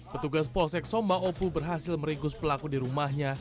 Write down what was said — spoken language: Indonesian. petugas polsek somba opu berhasil meringkus pelaku di rumahnya